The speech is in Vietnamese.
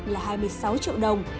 là hai mươi sáu triệu đồng